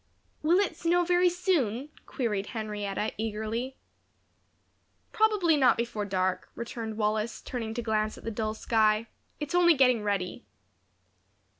"Will it snow very soon?" queried Henrietta, eagerly. "Probably not before dark," returned Wallace, turning to glance at the dull sky. "It's only getting ready."